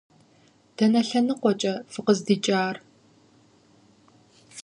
Дэнэ лъэныкъуэкӏэ фыкъыздикӏар?